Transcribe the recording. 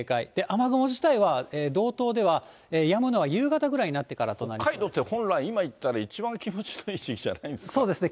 雨雲自体は道東ではやむのは夕方ぐらいになってからとなりそうで北海道って本来、今行ったら一番気持ちのいい季節じゃないですか。